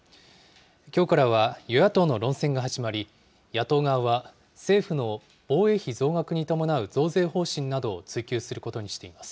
きょうからは与野党の論戦が始まり、野党側は政府の防衛費増額に伴う増税方針などを追及することにしています。